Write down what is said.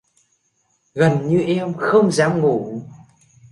Gần như em không dám ngủ